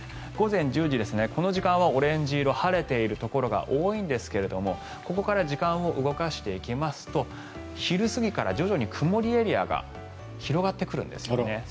午前１０時この時間はオレンジ色で晴れているところが多いんですがここから時間を動かしていきますと昼過ぎから徐々に曇りエリアが広がってくるんですね。